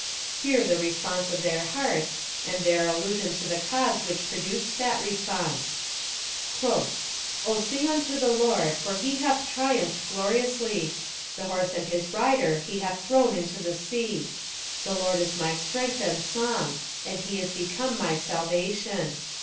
Hear the the re sponse of their hearts, and their allusion to the cause wiiich produced that response —" O sing unto the LORD, for he hath triumphed gloriously : The horse and his rider he hath thrown into the sea. The Lord is my strength and song, and he is become my salvation.